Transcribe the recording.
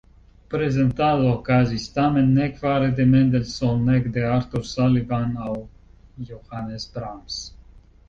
Prezentado okazis tamen nek fare de Mendelssohn nek de Arthur Sullivan aŭ Johannes Brahms.